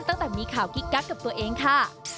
ตั้งแต่มีข่าวกิ๊กกักกับตัวเองค่ะ